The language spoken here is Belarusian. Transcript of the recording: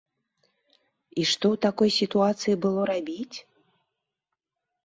І што ў такой сітуацыі было рабіць?